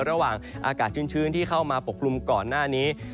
ระหว่างอากาศชื้นที่เข้ามาปกลุ่มก่อนหน้านี้